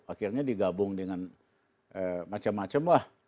akhirnya digabung dengan macam macam lah